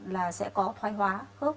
là sẽ có thoái hóa khớp